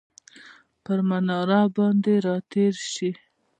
پر مناره باندې راتیرشي،